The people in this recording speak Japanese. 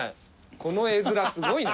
この絵面すごいな。